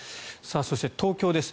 そして、東京です。